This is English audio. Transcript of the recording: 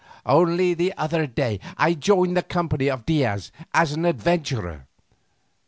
Only the other day I joined the company of Diaz as an adventurer.